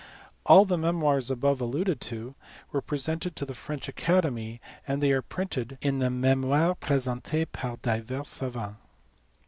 All the memoirs above alluded to were presented to the French Academy, and they are printed in the Memoires presentes par divers savans.